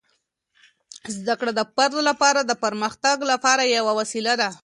زده کړه د فرد لپاره د پرمختګ لپاره یوه وسیله ده.